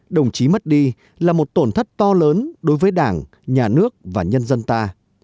đồng chí mất đi là một tổn thất to lớn đối với đảng nhà nước và nhân dân ta